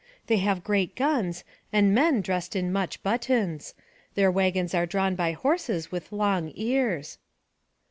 "They have great guns, and men dressed in much buttons; their wagons are drawn by horses with long ears."